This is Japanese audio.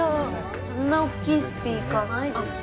こんな大きいスピーカーないですよ。